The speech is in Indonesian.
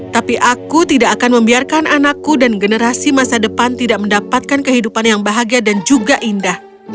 tapi aku tidak akan membiarkan anakku dan generasi masa depan tidak mendapatkan kehidupan yang bahagia dan juga indah